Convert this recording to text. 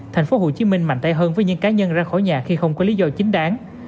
thành phố hồ chí minh mạnh tay hơn với những cá nhân ra khỏi nhà khi không có lý do chính đáng